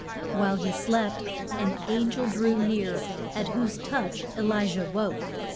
While he slept, an an gel drew near, at whose touch E li jah woke.